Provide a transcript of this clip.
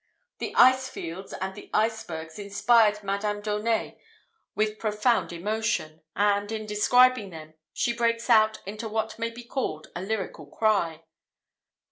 The ice fields and the icebergs inspired Madame d'Aunet with profound emotion, and, in describing them, she breaks out into what may be called a lyrical cry.